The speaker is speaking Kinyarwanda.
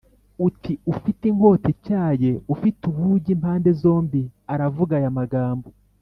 uti “Ufite inkota ityaye ifite ubugi impande zombi aravuga aya magambo